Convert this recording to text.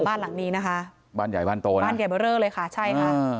บ้านหลังนี้นะคะบ้านใหญ่บ้านโตนะบ้านใหญ่เบอร์เลอร์เลยค่ะใช่ค่ะ